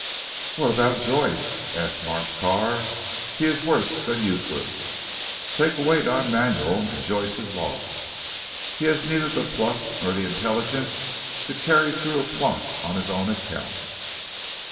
"What about Joyce?" asked Marsh Carr. "He is worse than useless. Take away Don Manuel, and Joyce is lost. He has neither the pluck nor the intelligence to carry through a plot on his own account."